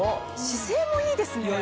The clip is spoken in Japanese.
姿勢もいいですね。